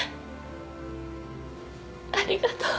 ありがとう。